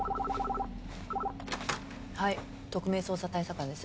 はい特命捜査対策班です。